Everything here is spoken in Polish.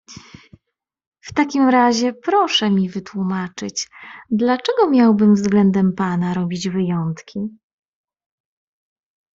"W takim razie proszę mi wytłumaczyć, dlaczego miałbym względem pana robić wyjątki?"